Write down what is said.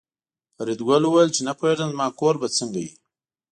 فریدګل وویل چې نه پوهېږم زما کور به څنګه وي